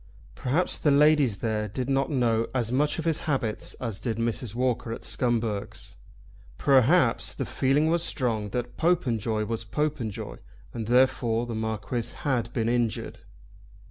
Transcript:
Perhaps the ladies there did not know as much of his habits as did Mrs. Walker at Scumberg's. Perhaps the feeling was strong that Popenjoy was Popenjoy, and that therefore the Marquis had been injured.